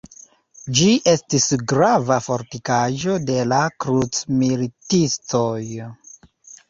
Ĝi estis grava fortikaĵo de la krucmilitistoj.